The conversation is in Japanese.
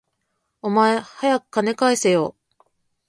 お前、はやく金返せよ